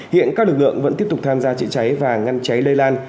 hiện các lực lượng vẫn tiếp tục tham gia trị cháy và ngăn cháy lây lan